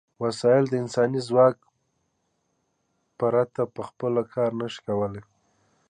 وسایل د انساني ځواک پرته په خپله کار نشي کولای.